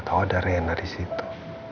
siapa tau ada rena di situ